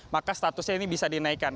maka statusnya ini bisa dinaikkan